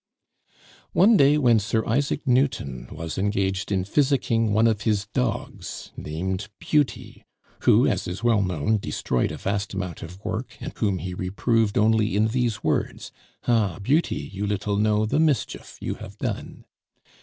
One day, when Sir Isaac Newton was engaged in physicking one of his dogs, named "Beauty" (who, as is well known, destroyed a vast amount of work, and whom he reproved only in these words, "Ah! Beauty, you little know the mischief you have done!")